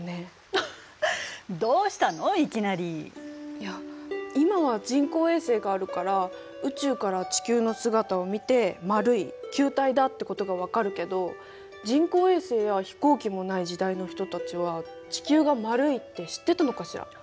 いや今は人工衛星があるから宇宙から地球の姿を見て丸い球体だってことがわかるけど人工衛星や飛行機もない時代の人たちは地球が丸いって知ってたのかしら？